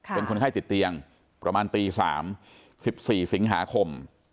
เป็นคนไข้ติดเตียงประมาณตี๓๑๔สิงหาคม